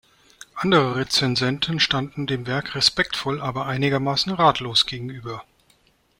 Andere Rezensenten standen dem Werk „respektvoll, aber einigermaßen ratlos“ gegenüber.